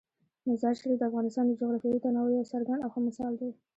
مزارشریف د افغانستان د جغرافیوي تنوع یو څرګند او ښه مثال دی.